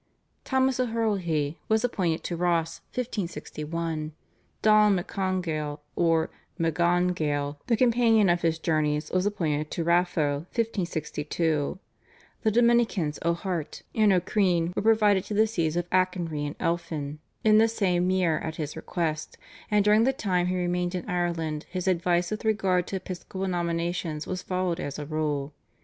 Thomas O'Herlihy was appointed to Ross (1561); Donald McCongail or Magongail, the companion of his journeys, was appointed to Raphoe (1562); the Dominicans O'Harte and O'Crean were provided to the Sees of Achonry and Elphin in the same year at his request, and during the time he remained in Ireland his advice with regard to episcopal nominations was followed as a rule.